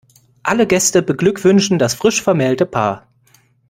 Alle Gäste beglückwünschen das frisch vermählte Paar.